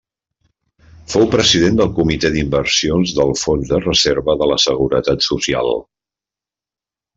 Fou president del Comité d'Inversions del Fons de Reserva de la Seguretat Social.